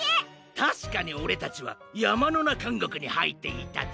たしかにオレたちはやまのなかんごくにはいっていたぜ。